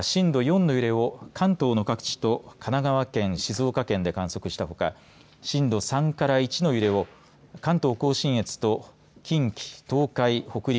また震度４の揺れを関東の各地と神奈川県、静岡県で観測したほか震度３から１の揺れを関東甲信越と近畿、東海、北陸